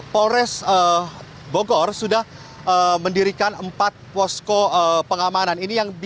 polres bogor sudah mendirikan empat posko pengamanan